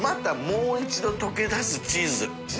もう一度溶け出すチーズ。